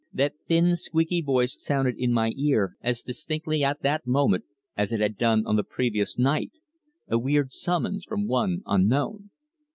That thin squeaky voice sounded in my ear as distinctly at that moment as it had done on the previous night, a weird summons from one unknown.